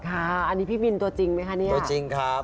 ค่ะอันนี้พี่บินตัวจริงไหมคะเนี่ยตัวจริงครับ